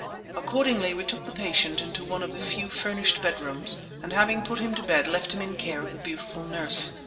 Accordingly, we took the patient into one of the few furnished bedrooms, and having put him to bed left him in care of the beautiful nurse.